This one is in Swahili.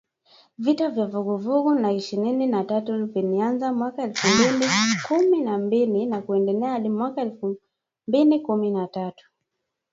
Vita vya Vuguvugu la Ishirini na tatu vilianza mwaka elfu mbili kumi na mbili na kuendelea hadi mwaka elfu mbili kumi na tatu